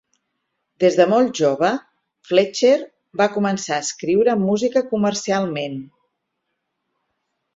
Des de molt jove, Fletcher va començar a escriure música comercialment.